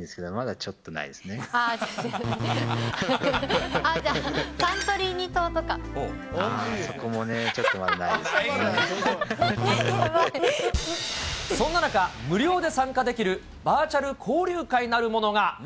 じゃあ、あー、そこもねぇ、ちょっとそんな中、無料で参加できるバーチャル交流会なるものが。